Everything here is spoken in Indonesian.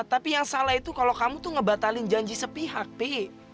tapi yang salah itu kalau kamu tuh ngebatalin janji sepihak pi